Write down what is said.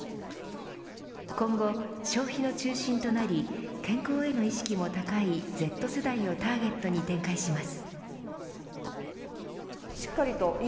今後、消費の中心となり健康への意識も高いＺ世代をターゲットに展開します。